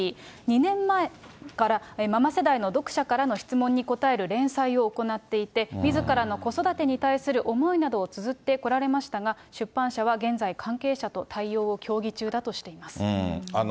２年前からママ世代の読者からの質問に答える連載を行っていて、みずからの子育てに対する思いなどをつづってこられましたが、出版社は現在、関係者と対応を協議中だとしています。